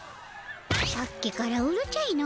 さっきからうるちゃいの。